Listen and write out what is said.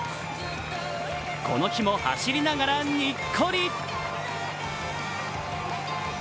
この日も走りながらにっこり。